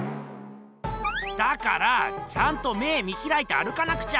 だからあちゃんと目見ひらいて歩かなくちゃ！